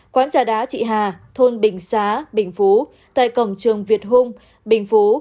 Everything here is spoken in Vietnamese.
quán trà đá trị hà thôn bình xá bình phú tại cổng trường việt hung bình phú